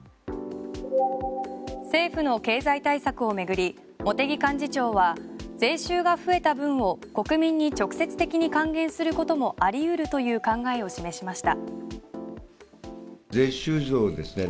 政府の経済対策を巡り茂木幹事長は税収が増えた分を国民に直接的に還元することもありうるという考えを示しました。